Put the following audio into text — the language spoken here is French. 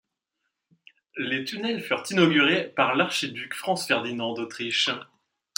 Les tunnels furent inaugurés par l'Archiduc Franz Ferdinand d'Autriche.